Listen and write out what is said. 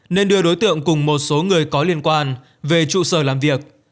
nên đưa đối tượng cùng một số người có liên quan về trụ sở làm việc